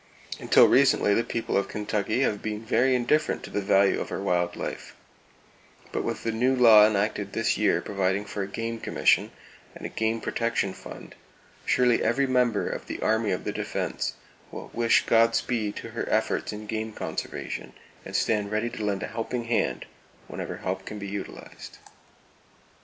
Until recently the people of Kentucky have been very indifferent to the value of her wild life; but with the new law enacted this year providing for a game commission and a game protection fund, surely every member of the Army of the Defense will wish God speed to her efforts in game conservation, and stand ready to lend a helping hand whenever help can be utilized.